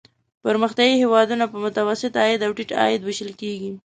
پرمختیايي هېوادونه په متوسط عاید او ټیټ عاید ویشل کیږي.